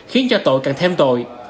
khiến cho tội càng thêm tội